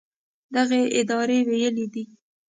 دغې ادارې ویلي دي